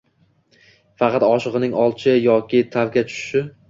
Faqat oshig‘ining olchi yo tavka tushishi